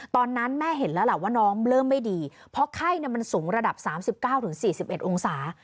ตอนนั้นแม่เห็นแล้วล่ะว่าน้องเริ่มไม่ดีเพราะไข้มันสูงระดับ๓๙๔๑องศา